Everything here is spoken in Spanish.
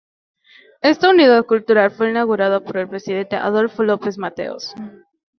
Esta unidad cultural fue inaugurada por el presidente Adolfo López Mateos.